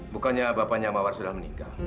bukannya bapaknya mawar sudah meninggal